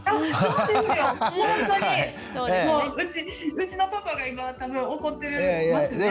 うちのパパが今多分怒ってますね。